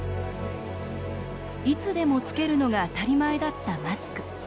いつでもつけるのが当たり前だったマスク。